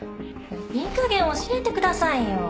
いい加減教えてくださいよ。